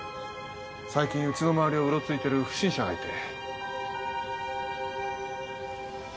最近うちの周りをうろついてる不審者がいて。